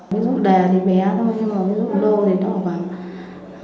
ví dụ đè thì bé thôi nhưng mà ví dụ lô thì nó không phải